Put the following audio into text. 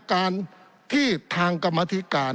การที่ทางกรรมธิการ